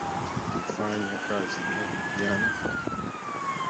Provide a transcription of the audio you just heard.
Ulifanya kazi gani jana.